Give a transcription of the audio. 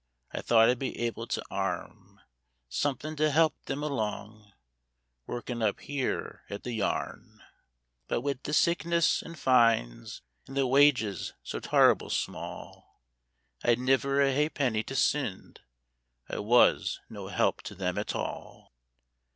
I thought I'd be able to arn Somethin' to help thim along, workin' up here at the yarn. But what wid the sickness an' fines, an' the wages so tar'ble small I'd niver a ha'penny to sind — I wuz no help to them at all.